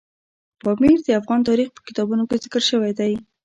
پامیر د افغان تاریخ په کتابونو کې ذکر شوی دی.